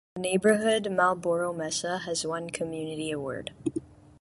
The neighborhood "Marlborough Mesa" has won a community award.